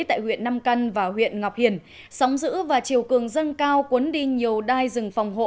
tại huyện nam căn và huyện ngọc hiền sóng giữ và chiều cường dâng cao cuốn đi nhiều đai rừng phòng hộ